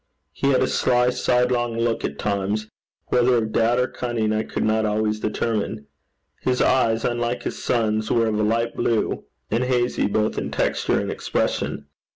He had a sly, sidelong look at times, whether of doubt or cunning, I could not always determine. His eyes, unlike his son's, were of a light blue, and hazy both in texture and expression.